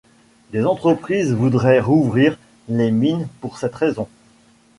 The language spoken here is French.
Des entreprises voudraient rouvrir les mines pour cette raison.